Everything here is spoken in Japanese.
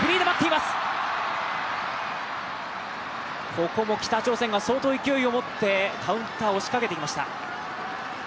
ここも北朝鮮が相当勢いを持ってカウンターを仕掛けてきました。